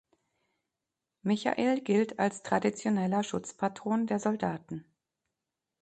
Michael gilt als traditioneller Schutzpatron der Soldaten.